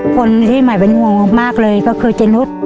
คนที่ใหม่เป็นห่วงมากเลยก็คือเจนุส